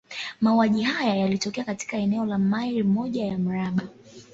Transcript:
Mauaji haya yalitokea katika eneo la maili moja ya mraba.